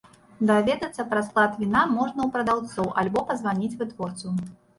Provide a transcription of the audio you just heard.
Даведацца пра склад віна можна у прадаўцоў, альбо пазваніць вытворцу.